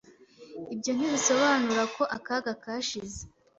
Ibyo ntibisobanura ko akaga kashize.